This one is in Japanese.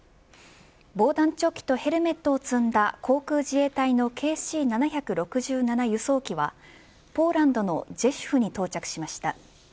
防弾チョッキとヘルメットを積んだ航空自衛隊のＫＣ−７６７輸送機はポーランドのジェシュフに到着しました。